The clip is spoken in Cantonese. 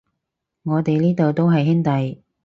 我哋呢度都係兄弟